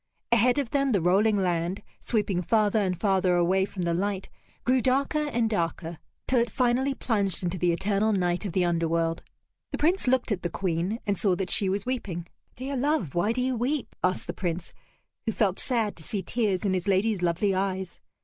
Ahead of them the rolling land, sweeping farther and farther away from the light, grew darker and darker, till it finally plunged into the eternal night of the underworld. The Prince looked at the Queen, and saw that she was weeping. "Dear love, why do you weep?" asked the Prince, who felt sad to see tears in his lady's lovely eyes.